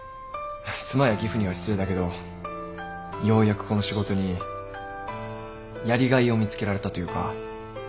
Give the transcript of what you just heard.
妻や義父には失礼だけどようやくこの仕事にやりがいを見つけられたというか。